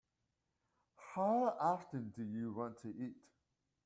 How often do you want to eat?